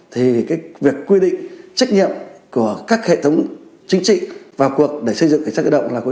thì cái việc quy định trách nhiệm của các hệ thống chính trị vào cuộc để xây dựng cảnh sát cơ động là có nghĩa rất là to lớn